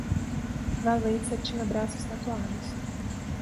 Valência tinha braços tatuados.